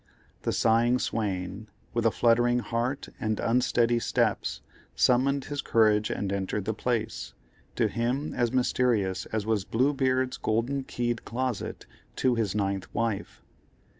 The sighing swain, with a fluttering heart and unsteady steps, summoned his courage and entered the place, to him as mysterious as was Bluebeard's golden keyed closet to his ninth wife.